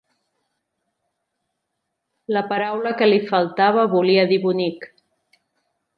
La paraula que li faltava volia dir bonic.